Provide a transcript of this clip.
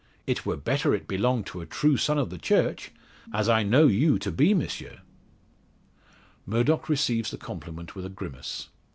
It were better it belonged to a true son of the Church, as I know you to be, M'sieu." Murdock receives the compliment with a grimace.